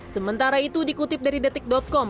sementara itu dikutip dari detik com